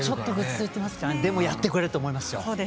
やってくれると思います。